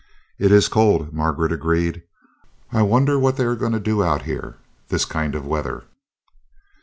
"It is cold," Margaret agreed. "I wonder what they are going to do out here, this kind of weather?"